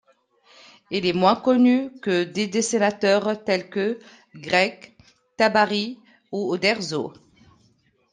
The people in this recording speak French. Il est moins connu que des dessinateurs tels que Greg, Tabary ou Uderzo.